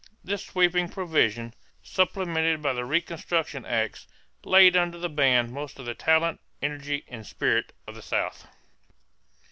This sweeping provision, supplemented by the reconstruction acts, laid under the ban most of the talent, energy, and spirit of the South.